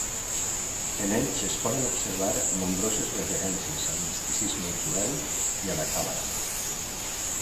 En ells es poden observar nombroses referències al misticisme jueu i a la Càbala.